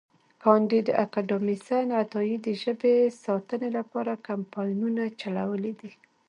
کانديد اکاډميسن عطایي د ژبې ساتنې لپاره کمپاینونه چلولي دي.